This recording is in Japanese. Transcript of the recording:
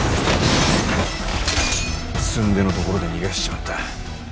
すんでのところで逃がしちまった。